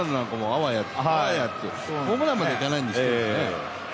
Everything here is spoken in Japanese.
あわや、ホームランまではいかないんですけどね。